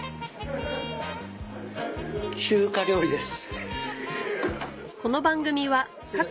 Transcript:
中華料理です。